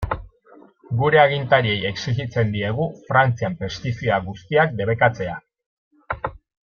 Gure agintariei exijitzen diegu Frantzian pestizida guztiak debekatzea.